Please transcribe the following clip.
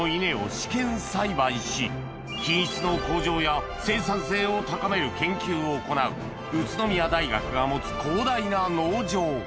品質の向上や生産性を高める研究を行う宇都宮大学が持つ広大な農場